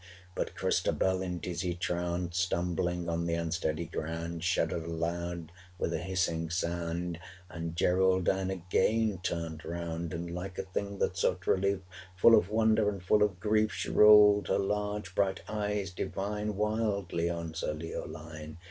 But Christabel in dizzy trance Stumbling on the unsteady ground 590 Shuddered aloud, with a hissing sound; And Geraldine again turned round, And like a thing, that sought relief, Full of wonder and full of grief, She rolled her large bright eyes divine 595 Wildly on Sir Leoline.